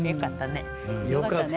よかったね。